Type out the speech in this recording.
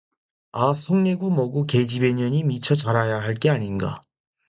"아 성례구 뭐구 계집애년이 미처 자라야 할 게 아닌가?"